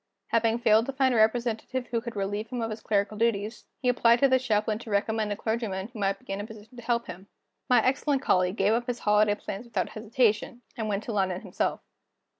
Having failed to find a representative who could relieve him of his clerical duties, he applied to the Chaplain to recommend a clergyman who might be in a position to help him. My excellent colleague gave up his holiday plans without hesitation, and went to London himself.